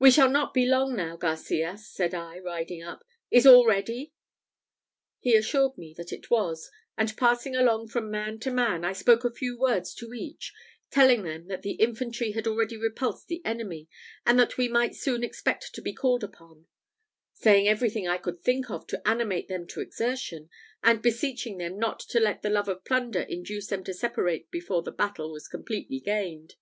"We shall not be long now, Garcias," said I, riding up. "Is all ready?" He assured me that it was, and passing along from man to man, I spoke a few words to each, telling them that the infantry had already repulsed the enemy, and that we might soon expect to be called upon; saying everything I could think of to animate them to exertion, and beseeching them not to let the love of plunder induce them to separate before the battle was completely gained.